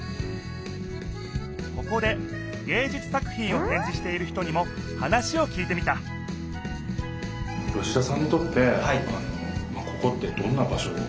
ここでげいじゅつ作ひんをてんじしている人にも話をきいてみた吉田さんにとってここってどんな場所なんですか？